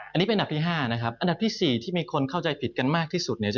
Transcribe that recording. อันนี้เป็นอันดับที่๕นะครับอันดับที่๔ที่มีคนเข้าใจผิดกันมากที่สุดเนี่ย